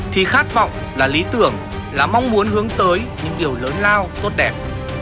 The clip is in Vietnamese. thì khát vọng là lý tưởng là mong muốn hướng tới những điều lớn lao tốt đẹp